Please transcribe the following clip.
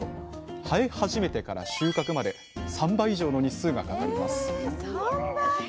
生え始めてから収穫まで３倍以上の日数がかかりますえっ